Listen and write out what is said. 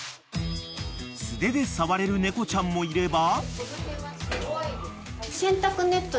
［素手で触れる猫ちゃんもいれば］